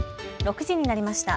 ６時になりました。